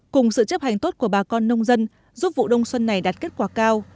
cùng sự chấp hành tốt của bà con nông dân giúp vụ đông xuân này đạt kết quả cao